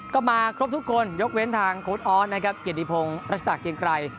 ก็มาครบทุกคนยกเว้นทางโค้ดอ้อนเกียรติพงรัชฎากินไกร